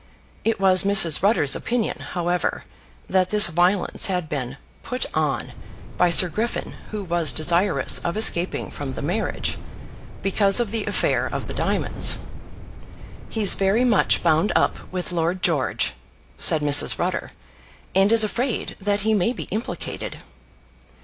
It was Mrs. Rutter's opinion, however, that this violence had been "put on" by Sir Griffin, who was desirous of escaping from the marriage because of the affair of the diamonds. "He's very much bound up with Lord George," said Mrs. Rutter, "and is afraid that he may be implicated."